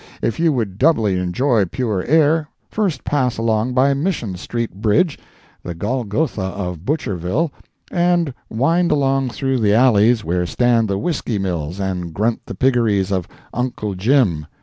If you would doubly enjoy pure air, first pass along by Mission Street Bridge, the Golgotha of Butcherville, and wind along through the alleys where stand the whiskey mills and grunt the piggeries of "Uncle Jim."